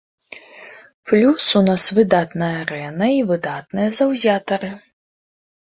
Плюс у нас выдатная арэна і выдатныя заўзятары.